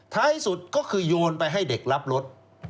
ท้ายสุดก็คือโยนไปให้เด็กรับรถ